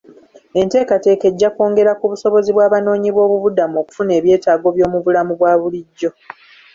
Enteekateeka ejja kwongera ku busobozi bw'abanoonyi boobuibudamu okufuna ebyetaago by'omu bulamu bwa bulijjo.